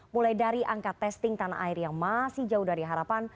mulai dari angka testing tanah air yang masih jauh dari harapan